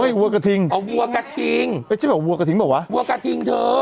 วัวกระทิงอ๋อวัวกระทิงเอ้ฉันบอกวัวกระทิงเปล่าวะวัวกระทิงเธอ